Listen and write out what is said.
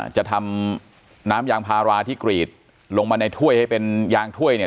จะทำน้ำยางพาราที่กรีดลงมาในถ้วยให้เป็นยางถ้วยเนี่ย